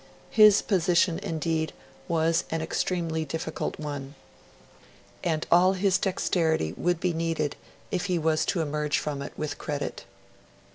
His position, indeed, was an extremely difficult one, and all his dexterity would be needed if he was to emerge from it with credit.